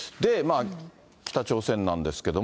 北朝鮮なんですけども。